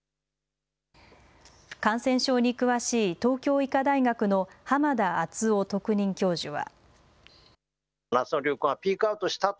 感染症に詳しい東京医科大学の濱田篤郎特任教授は。